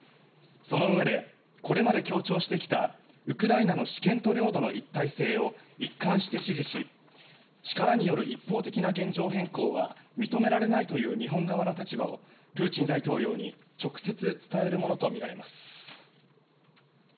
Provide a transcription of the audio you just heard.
そのうえでこれまで強調してきたウクライナの主権と領土の一体性を一貫して支持し力による一方的な現状変更は認められないという日本側の立場をプーチン大統領に直接伝えるものとみられます。